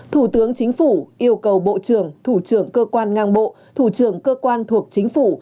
thủ tướng chính phủ yêu cầu bộ trưởng thủ trưởng cơ quan ngang bộ thủ trưởng cơ quan thuộc chính phủ